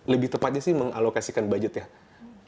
lebih tepatnya sih mengalokasikan budget ya